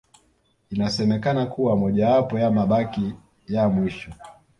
Inasemekana kuwa mojawapo ya mabaki ya mwisho